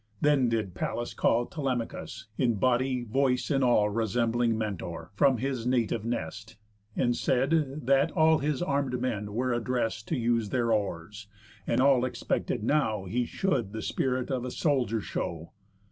Then did Pallas call Telemachus, in body, voice, and all, Resembling Mentor, from his native nest, And said, that all his arm'd men were addrest To use their oars, and all expected now He should the spirit of a soldier show.